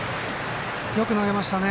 よく投げましたね。